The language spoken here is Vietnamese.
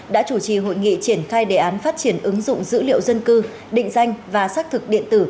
đã chủ trì hội nghị triển khai đề án phát triển ứng dụng dữ liệu dân cư định danh và xác thực điện tử